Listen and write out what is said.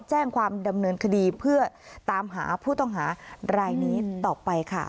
แจ้งความดำเนินคดีเพื่อตามหาผู้ต้องหารายนี้ต่อไปค่ะ